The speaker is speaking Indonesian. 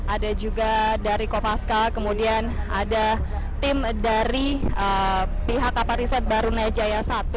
ada juga dari kopaskal kemudian ada tim dari pihak kapal riset baru najaya satu